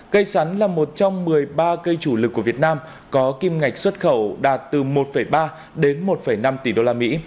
cây sắn là một trong một mươi ba cây chủ lực của việt nam có kim ngạch xuất khẩu đạt từ một ba đến một năm tỷ usd